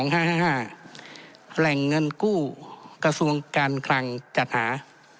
แหล่งเงินกู้กระทรวงการคลังจัดหา